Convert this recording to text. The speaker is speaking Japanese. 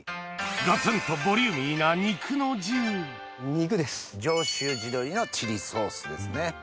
ガツンとボリューミーな肉の重「上州地鶏のチリソース」ですね。